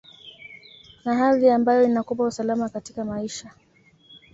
na hadhi ambayo inakupa usalama katika maisha